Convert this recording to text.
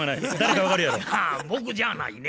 僕じゃないね。